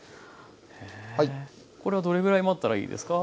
これはどれぐらい待ったらいいですか？